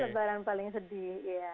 lebaran paling sedih ya